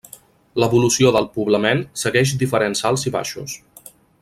L’evolució del poblament segueix diferents alts i baixos.